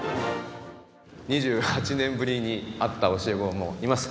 ２８年ぶりに会った教え子もいます。